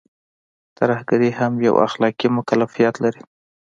ترهګري هم يو اخلاقي مکلفيت لري.